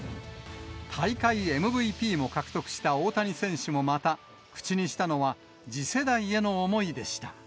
大会ＭＶＰも獲得した大谷選手もまた、口にしたのは次世代への思いでした。